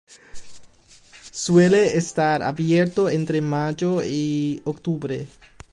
Suele estar abierto entre mayo y octubre.